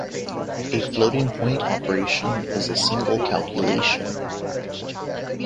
A floating point operation is a single calculation.